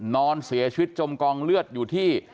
นอนเสียชีวิตจมกองเลือดอยู่ที่